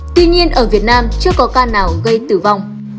tuy nhiên ở việt nam chưa có ca nào gây tử vong